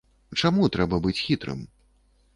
Чаму трэба быць хітрым?